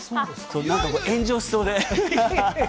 炎上しそうで。